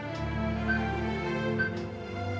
dia sudah berakhir